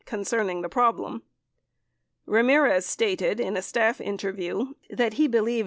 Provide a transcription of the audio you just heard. concerning the problem. 46 Ramirez stated in a staff interview that he believed « Exhibit No.